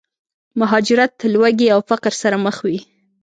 مهاجرت، لوږې او فقر سره مخ وي.